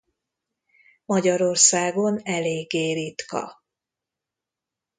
Magyarországon eléggé ritka.